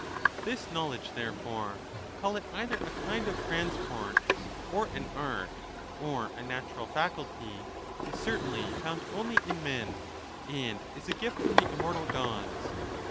This knowledge, therefore — call it either a kind of transport, or an art, or a natural faculty— is certainly found only in men, and is a gift from the immortal Gods.